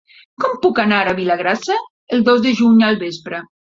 Com puc anar a Vilagrassa el dos de juny al vespre?